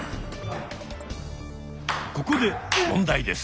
ここで問題です。